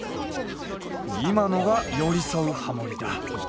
今のが寄り添うハモりだ！